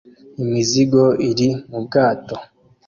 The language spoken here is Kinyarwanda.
Imizigo iri mu bwato